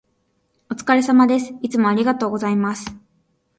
お疲れ様です。いつもありがとうございます。